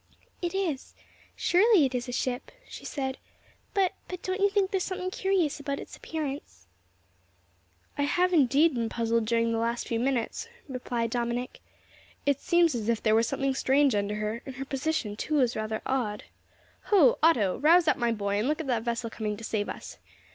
"It is, surely it is a ship," she said, "but but don't you think there is something curious about its appearance?" "I have indeed been puzzled during the last few minutes," replied Dominick. "It seems as if there were something strange under her, and her position, too, is rather odd. Ho! Otto, rouse up, my boy, and look at the vessel coming to save us.